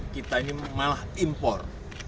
kita ini malah impor